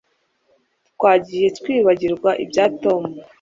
Twagiye twibagirwa ibya Tom